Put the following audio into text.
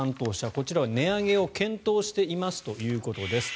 こちらは値上げを検討しているということです。